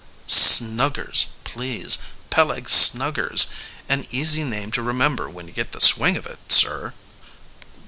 "Snuggers, please; Peleg Snuggers an easy name to remember when you get the swing of it, sir."